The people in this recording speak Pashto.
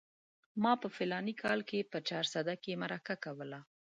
ما په فلاني کال کې په چارسده کې مرکه کوله.